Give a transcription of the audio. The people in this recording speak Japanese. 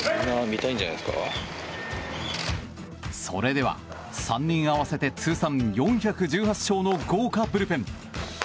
それでは３人合わせて通算４１８勝の豪華ブルペン。